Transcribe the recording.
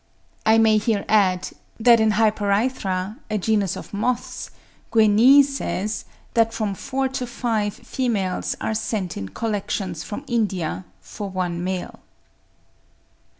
I may here add, that in Hyperythra, a genus of moths, Guenee says, that from four to five females are sent in collections from India for one male.